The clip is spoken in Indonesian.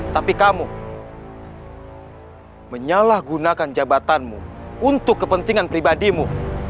tapi kamu menyalahgunakan jabatanmu untuk kepentingan pribadimu